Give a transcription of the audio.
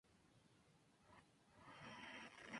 Era más que un tirador nato.